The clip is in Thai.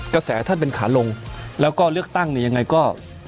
กระแสท่านเป็นขาลงแล้วก็เลือกตั้งเนี่ยยังไงก็